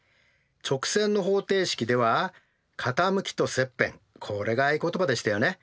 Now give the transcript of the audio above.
直線の方程式では傾きと切片これが合言葉でしたよね。